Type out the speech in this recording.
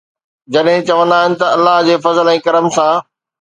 جڏهن چوندا آهن ته ’الله جي فضل ۽ ڪرم سان‘.